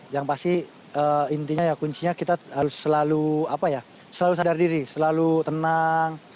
yang pasti intinya ya kuncinya kita harus selalu sadar diri selalu tenang